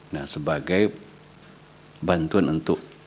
nah sebagai bantuan untuk